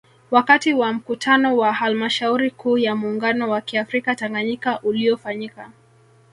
Wakati wa Mkutano wa Halmashauri Kuu ya muungano wa kiafrika Tanganyika uliofanyika